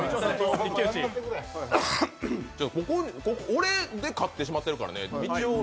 俺で勝ってしまっているからね。